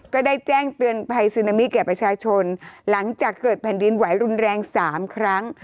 ก็ได้แจ้งเตือนภัยซึนามิแก่ประชาชนหลังจากเกิดแผ่นดินไหวรุนแรง๓ครั้ง